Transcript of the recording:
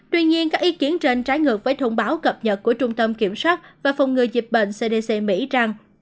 tuy nhiên các ý kiến trên trái ngược với thông báo cập nhật của trung tâm kiểm soát và phòng ngừa dịch bệnh cdc mỹ rằng